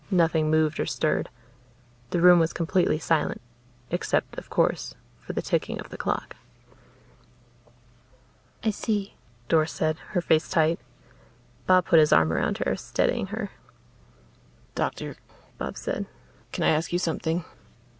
Nothing moved or stirred. The room was completely silent, except, of course, for the ticking of the clock. "I see," Doris said, her face tight. Bob put his arm around her, steadying her. "Doctor," Bob said, "can I ask you something?"